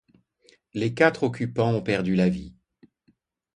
Les quatre occupants ont perdu la vie.